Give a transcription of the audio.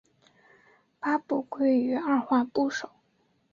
八部归于二划部首。